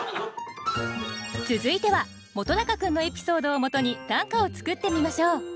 続いては本君のエピソードをもとに短歌を作ってみましょう。